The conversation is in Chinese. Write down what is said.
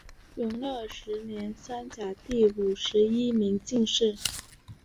永乐十年三甲第五十一名进士。